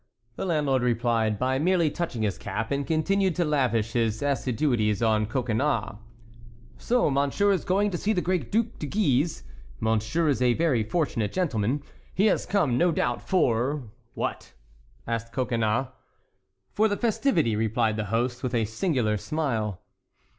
The landlord replied by merely touching his cap, and continued to lavish his assiduities on Coconnas: "So monsieur is going to see the great Duc de Guise? Monsieur is a very fortunate gentleman; he has come, no doubt, for"— "What?" asked Coconnas. "For the festivity," replied the host, with a singular smile.